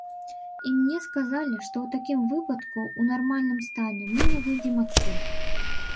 І мне сказалі, што ў такім выпадку ў нармальным стане мы не выйдзем адтуль.